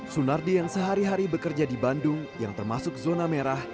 sunardi yang sehari hari bekerja di bandung yang termasuk zona merah